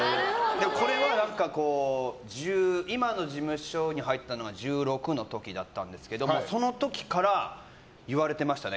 これは今の事務所に入ったのが１６の時だったんですけどその時から言われてましたね